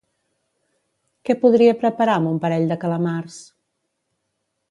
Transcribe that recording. Què podria preparar amb un parell de calamars?